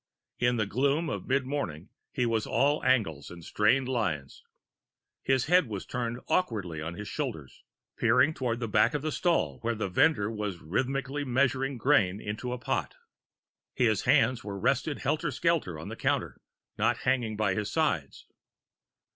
In the gloom of mid morning, he was all angles and strained lines. His head was turned awkwardly on his shoulder, peering toward the back of the stall where the vendor was rhythmically measuring grain into a pot. His hands were resting helter skelter on the counter, not hanging by his sides.